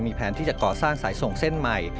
แผนที่จะก่อสร้างสายส่งเส้นใหม่